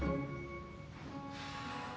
ada apa ya